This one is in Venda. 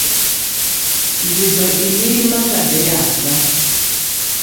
Ndi ḓo i lima ngadeni yanga.